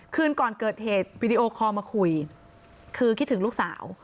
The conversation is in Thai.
คืนก่อนเกิดเหตุวีดีโอคอลมาคุยคือคิดถึงลูกสาว